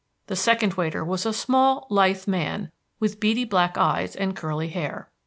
The second waiter was a small, lithe man, with beady, black eyes and curly hair.